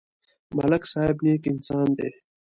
ملک صاحب نېک انسان دی.